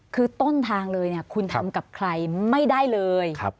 คือต้นทางเลยคุณทำกับใครไม่ได้เลย